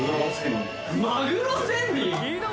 マグロ仙人！？